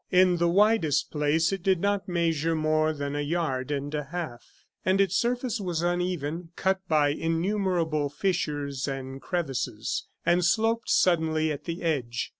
In the widest place it did not measure more than a yard and a half, and its surface was uneven, cut by innumerable fissures and crevices, and sloped suddenly at the edge.